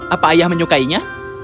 apa ayah menyukainya